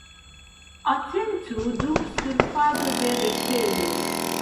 Atentu dum surfado de retejoj.